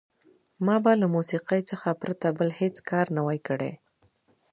ما به له موسیقۍ څخه پرته بل هېڅ کار نه وای کړی.